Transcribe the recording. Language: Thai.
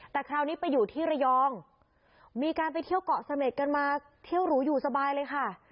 แต่คราวนี้ไปอยู่ที่ระยองมีการไปเที่ยวเกาะเสม็ดกันมาเที่ยวหรูอยู่สบายเลยค่ะ